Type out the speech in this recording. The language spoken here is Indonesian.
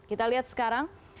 kita lihat sekarang